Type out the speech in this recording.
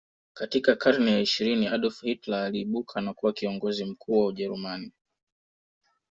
Katika karne ya ishirini Adolf Hitler aliibuka na kuwa kiongozi mkuu wa ujerumani